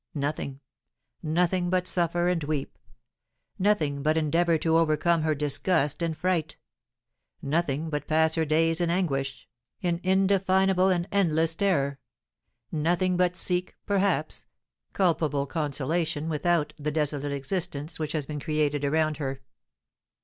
Nothing, nothing but suffer and weep; nothing but endeavour to overcome her disgust and fright; nothing but pass her days in anguish, in indefinable and endless terror; nothing but seek, perhaps, culpable consolation without the desolate existence which has been created around her.